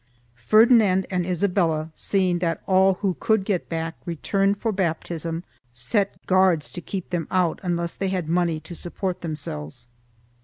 Ferdinand and Isabella, seeing that all who could get back returned for baptism, set guards to keep them out unless they had money to support themselves.